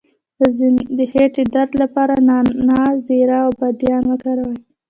د خیټې د درد لپاره نعناع، زیره او بادیان وکاروئ